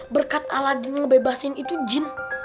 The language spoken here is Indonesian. berkat aladin ngebebasin itu jin